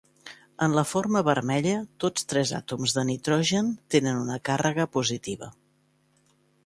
En la forma vermella, tots tres àtoms de nitrogen tenen una càrrega positiva.